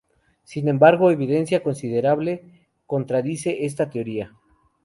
Sin embargo, evidencia considerable contradice esta teoría.